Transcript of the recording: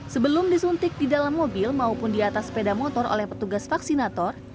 sebelum disuntik di dalam mobil maupun di atas sepeda motor oleh petugas vaksinator